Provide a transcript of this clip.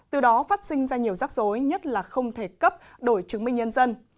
từ đó phát sinh ra nhiều rắc rối nhất là không thể cấp đổi chứng minh nhân dân